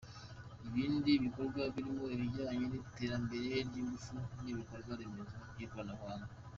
Ibindi bikorwa birimo ibijyanye n’iterambnere ry’ingufu, n’ibikorwa remezo by’ikoranabuhanga.